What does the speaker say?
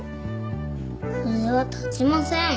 筆は立ちません。